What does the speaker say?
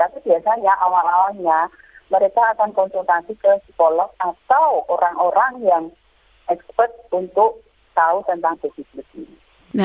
tapi biasanya awal awalnya mereka akan konsultasi ke psikolog atau orang orang yang expert untuk tahu tentang kesehatan